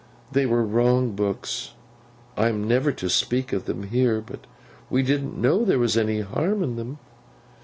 They were wrong books—I am never to speak of them here—but we didn't know there was any harm in them.